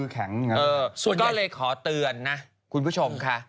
แข็งก็เลยขอเตือนนะคุณผู้ชมค่ะ